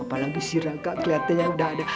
apalagi si raka keliatannya udah ada